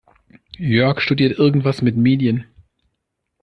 Jörg studiert irgendwas mit Medien.